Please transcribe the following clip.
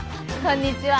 こんにちは。